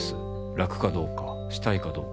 「楽かどうかしたいかどうか」